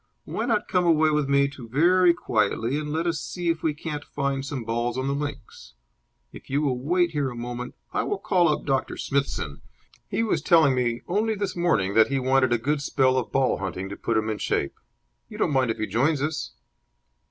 Why not come away with me very quietly and let us see if we can't find some balls on the links? If you will wait here a moment, I will call up Doctor Smithson. He was telling me only this morning that he wanted a good spell of ball hunting to put him in shape. You don't mind if he joins us?"